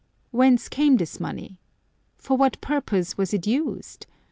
Whence came this money P For what purpose was it used